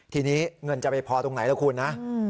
ทีนี้เงินจะไปพอตรงไหนล่ะคุณนะ